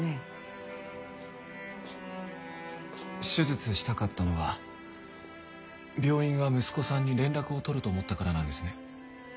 手術したかったのは病院が息子さんに連絡を取ると思ったからなんですね？